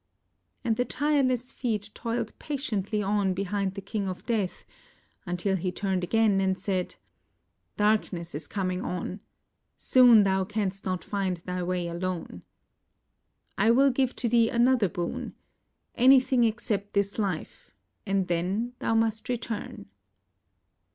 And the tireless feet toiled patiently on behind the King of Death until he turned again and said: "Darkness is coming on; soon thou canst not find thy way alone. I will give to thee another boon — anything except this life, and then thou must return."